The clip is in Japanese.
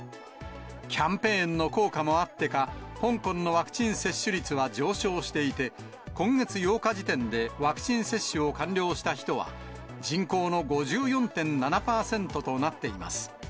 キャンペーンの効果もあってか、香港のワクチン接種率は上昇していて、今月８日時点でワクチン接種を完了した人は、人口の５４．７％となっています。